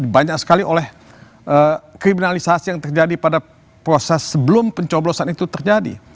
banyak sekali oleh kriminalisasi yang terjadi pada proses sebelum pencoblosan itu terjadi